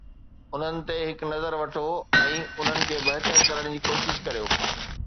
انهن تي هڪ نظر وٺو ۽ انهن کي بهتر ڪرڻ جي ڪوشش ڪريو.